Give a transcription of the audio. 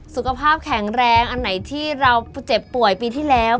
สุขภาพแข็งแรงอันไหนที่เราเจ็บป่วยปีที่แล้ว